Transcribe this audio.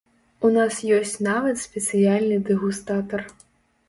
У нас ёсць нават спецыяльны дэгустатар.